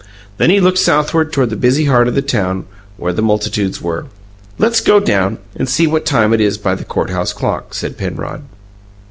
Then he looked southward toward the busy heart of the town, where multitudes were. "Let's go down and see what time it is by the court house clock," said Penrod.